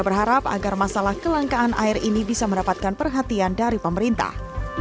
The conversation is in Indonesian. berharap agar masalah kelangkaan air ini bisa mendapatkan perhatian dari pemerintah